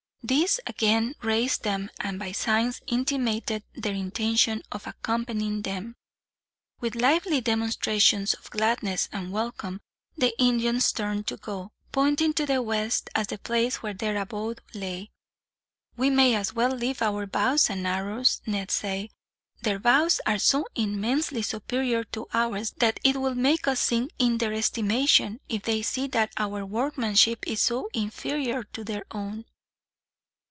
These again raised them, and by signs intimated their intention of accompanying them. With lively demonstrations of gladness and welcome, the Indians turned to go, pointing to the west as the place where their abode lay. "We may as well leave our bows and arrows," Ned said. "Their bows are so immensely superior to ours that it will make us sink in their estimation, if they see that our workmanship is so inferior to their own."